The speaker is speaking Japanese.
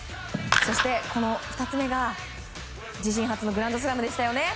そして、２つ目が自身初のグランドスラムでした。